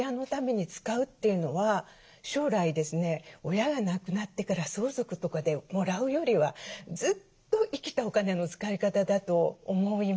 親が亡くなってから相続とかでもらうよりはずっと生きたお金の使い方だと思います。